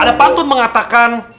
ada pantun mengatakan